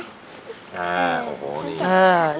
อ่าโอ้โหนี่